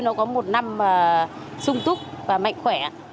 nó có một năm sung túc và mạnh khỏe